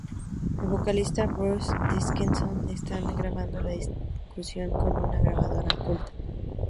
El Vocalista Bruce Dickinson estaba grabando la discusión con una grabadora oculta.